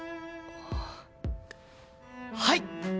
はい！